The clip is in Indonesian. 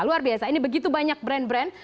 luar biasa ini begitu banyak brand brand